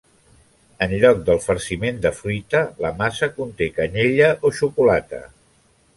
En lloc del farciment de fruita la massa conté canyella o xocolata.